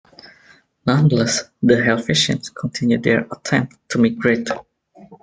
Nonetheless the Helvetians continue their attempt to migrate.